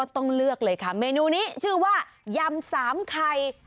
ต้องเลือกเลยค่ะเมนูนี้ชื่อว่ายำสามไข่